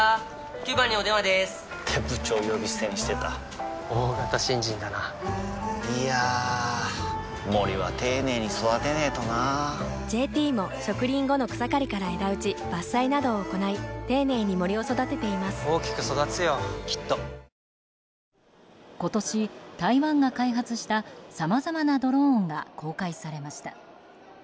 ９番にお電話でーす！って部長呼び捨てにしてた大型新人だないやー森は丁寧に育てないとな「ＪＴ」も植林後の草刈りから枝打ち伐採などを行い丁寧に森を育てています大きく育つよきっと今年、台湾が開発したさまざまなドローンが公開されました。